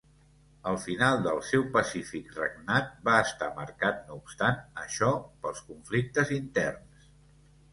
El final del seu pacífic regnat va estar marcat no obstant això pels conflictes interns.